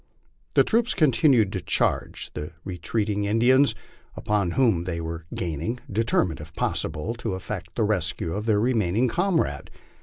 The troops continued to charge the retreating Indians, upon whom they were gaining, determined if possible to effect the rescue of their remaining 1 comrade.